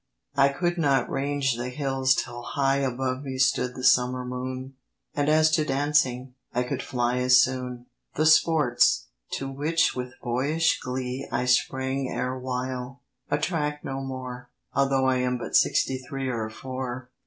I could not range the hills till high Above me stood the summer moon: And as to dancing, I could fly As soon. The sports, to which with boyish glee I sprang erewhile, attract no more; Although I am but sixty three Or four.